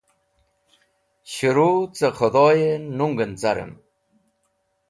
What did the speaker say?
S̃hẽru cẽ k̃hẽdhoyẽ nungẽn carẽm.